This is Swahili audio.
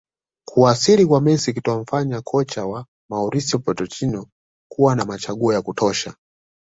Kuwasili kwa Messi kutamfanya kocha wa Mauricio Pochettino kuwa na machaguo ya kutosha